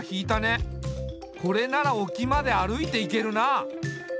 これなら沖まで歩いていけるな。